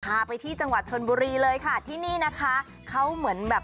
พาไปที่จังหวัดชนบุรีเลยค่ะที่นี่นะคะเขาเหมือนแบบ